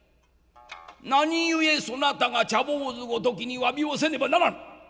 何故そなたが茶坊主ごときにわびをせねばならぬ。